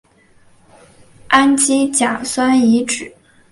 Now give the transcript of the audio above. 氨基甲酸乙酯是高分子材料聚氨酯的原料之一。